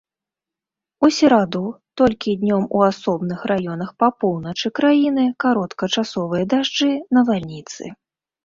У сераду толькі днём у асобных раёнах па поўначы краіны кароткачасовыя дажджы, навальніцы.